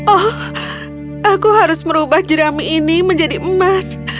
oh aku harus merubah jerami ini menjadi emas